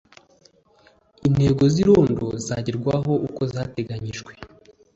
intego z’irondo zagerwaho uko zateganijwe